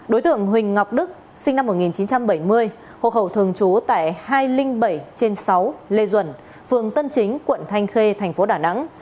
đối tượng huỳnh ngọc đức sinh năm một nghìn chín trăm bảy mươi hộ khẩu thường trú tại hai trăm linh bảy trên sáu lê duẩn phường tân chính quận thanh khê thành phố đà nẵng